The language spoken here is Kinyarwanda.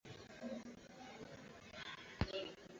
Bokota Labama